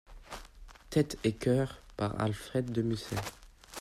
Tête et Coeur, par Alfred de Musset.